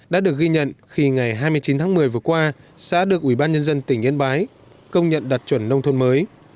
đã được ghi nhận khi ngày hai mươi chín tháng một mươi vừa qua xã được ủy ban nhân dân tỉnh yên bái công nhận đạt chuẩn nông thôn mới